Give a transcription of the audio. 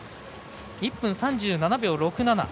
１分３７秒６７。